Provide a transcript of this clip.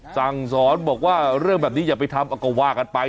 สั่งสอนบอกว่าเรื่องแบบนี้อย่าไปทำเอาก็ว่ากันไป